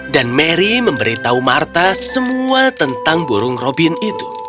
dan mary memberitahu martha semua tentang burung robin itu